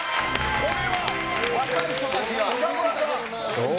これは、若い人たちが。